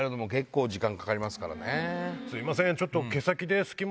「すいません」。